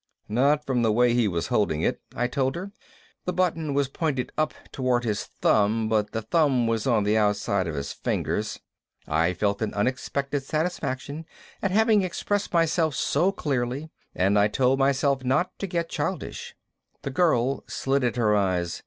"Not from the way he was holding it," I told her. "The button was pointed up toward his thumb but the thumb was on the outside of his fingers." I felt an unexpected satisfaction at having expressed myself so clearly and I told myself not to get childish. The girl slitted her eyes.